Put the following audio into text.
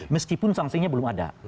meskipun sanksinya belum ada